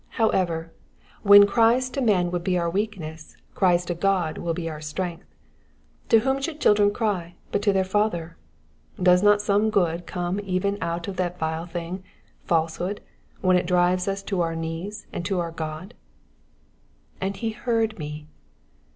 However, when cries to man would be our weakness, cries to God will be our strength. To whom should children cry but to their father ? Does not some good come even out of that vile thing, falsehood, when it drives us to our knees and to our God? ^''And he heard me.''